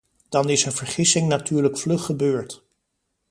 Dan is een vergissing natuurlijk vlug gebeurd.